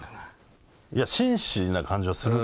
いや紳士な感じはするけど。